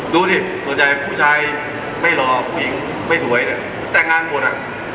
ดูดิส่วนใหญ่ผู้ชายไม่หลอกผู้หญิงไม่สวยเลยแต่งงานหมดอ่ะ